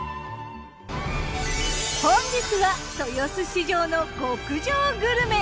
本日は豊洲市場の極上グルメ。